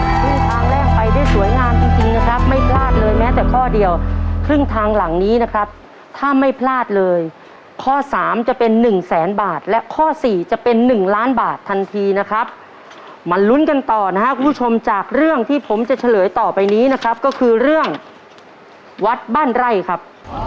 ครึ่งทางแรกไปได้สวยงามจริงจริงนะครับไม่พลาดเลยแม้แต่ข้อเดียวครึ่งทางหลังนี้นะครับถ้าไม่พลาดเลยข้อสามจะเป็นหนึ่งแสนบาทและข้อสี่จะเป็นหนึ่งล้านบาททันทีนะครับมาลุ้นกันต่อนะครับคุณผู้ชมจากเรื่องที่ผมจะเฉลยต่อไปนี้นะครับก็คือเรื่องวัดบ้านไร่ครับ